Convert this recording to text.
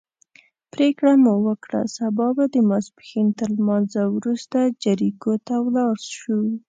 پرېکړه مو وکړه سبا به د ماسپښین تر لمانځه وروسته جریکو ته ولاړ شو.